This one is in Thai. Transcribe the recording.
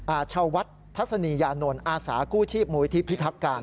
อาชวัฒน์ทัศนียานนท์อาสากู้ชีพมูลที่พิทักการ